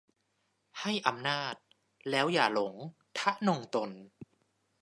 ให้อำนาจ แล้วอย่าหลง ทนงตน